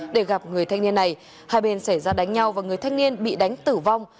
để gặp người thanh niên này hai bên xảy ra đánh nhau và người thanh niên bị đánh tử vong